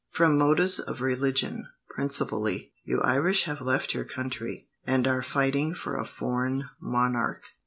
From motives of religion, principally, you Irish have left your country, and are fighting for a foreign monarch.